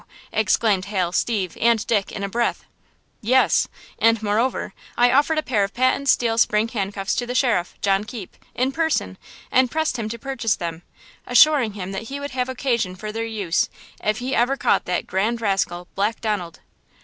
exclaimed Hal, Steve and Dick in a breath. "Yes! and, moreover, I offered a pair of patent steel spring handcuffs to the sheriff, John Keepe, in person, and pressed him to purchase them, assuring him that he would have occasion for their use if ever he caught that grand rascal, Black Donald!"